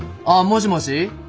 あっもしもし？